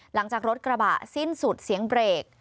หลังจากรถกระบะสิ้นสุดเสียงเบรก